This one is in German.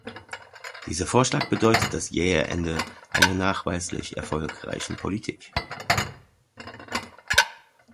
Dieser Vorschlag bedeutet das jähe Ende einer nachweislich erfolgreichen Politik.